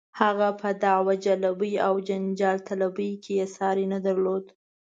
هغه په دعوه جلبۍ او جنجال طلبۍ کې یې ساری نه درلود.